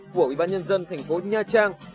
của ubnd thành phố nha trang